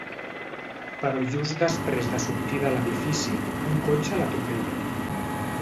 Però just després de sortir de l’edifici, un cotxe l’atropella.